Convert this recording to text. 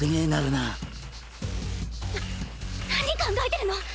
な何考えてるの！？